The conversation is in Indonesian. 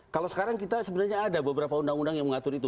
kalau sekarang kita sebenarnya ada beberapa undang undang yang mengatur itu